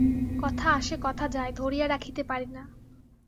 কথা আসে, কথা যায়, ধরিয়া রাখিতে পারি না।